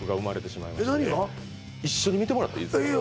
一緒に見てもらっていいですかいいよ